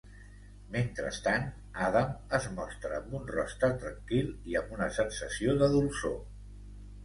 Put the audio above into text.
Mentrestant, Adam es mostra amb un rostre tranquil i amb una sensació de dolçor.